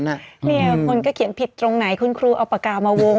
คนก็เขียนผิดตรงไหนคุณครูเอาปากกามาวง